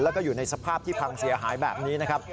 แล้วก็อยู่ในสภาพที่พังเสียหายแบบนี้นะครับ